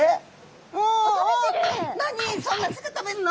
そんなすぐ食べんの？